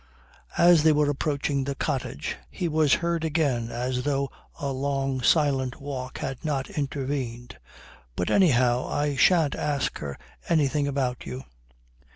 As they were approaching the cottage he was heard again as though a long silent walk had not intervened: "But anyhow I shan't ask her anything about you."